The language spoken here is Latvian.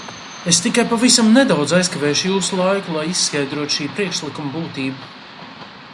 Es tikai pavisam nedaudz aizkavēšu jūsu laiku, lai izskaidrotu šī priekšlikuma būtību.